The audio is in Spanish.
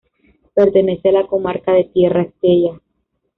Pertenece a la comarca de Tierra Estella.